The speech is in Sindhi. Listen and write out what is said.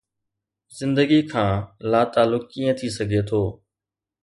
زندگي کان لاتعلق ڪيئن ٿي سگهي ٿو؟